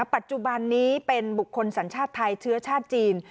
ปัจจุบันนี้เป็นบุคคลสัญชาติไทยเชื้อชาติจีน